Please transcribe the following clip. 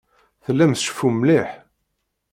Tellam tceffum mliḥ.